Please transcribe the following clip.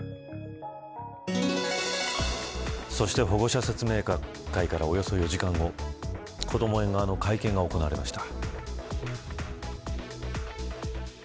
そして、保護者説明会からおよそ４時間後こども園側の会見が行われました。